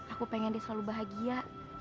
aku pengen dia selalu bahagia